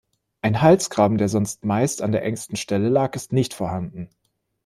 Ein Halsgraben, der sonst meist an der engsten Stelle lag, ist nicht vorhanden.